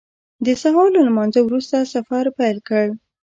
د سهار له لمانځه وروسته سفر پیل کړ.